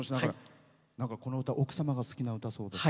この歌奥様が好きだそうで。